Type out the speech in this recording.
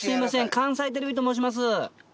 関西テレビと申します。